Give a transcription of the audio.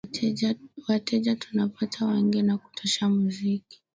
wateja tunapata wengi wa kutosha muziki